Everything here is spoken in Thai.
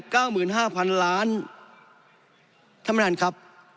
ท่านประธานครับ